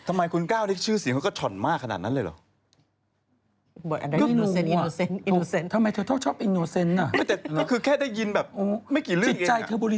มันโดนพุทธพิสูจน์ทุกคนว่าตัวเองไหว